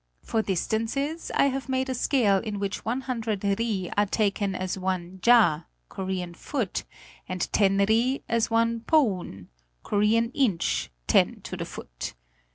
For distances I have made a scale in which one hundred ri are taken as one ja (Korean foot), and ten ri as one poun (Korean inch, ten to the foot).